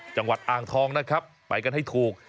จังหวัดอ่างทองนะครับไปกันให้ถูก